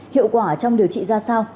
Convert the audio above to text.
hiệu quả trong điều trị ra sao